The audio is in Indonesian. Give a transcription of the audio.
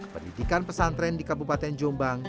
pendidikan pesantren di kabupaten jombang